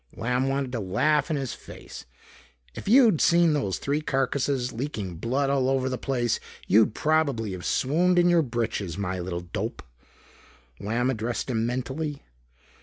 Lamb wanted to laugh in his face. "If you'd seen those three carcasses leaking blood all over the place, you'd probably have swooned in your britches, my little dope," Lamb addressed him mentally.